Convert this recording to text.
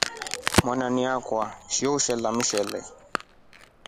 Wananu akwaa nshoo ulye mshele.